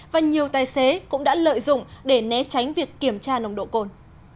và nhiều tài xế cũng đã lợi dụng để né tránh việc kiểm tra nồng độ cồn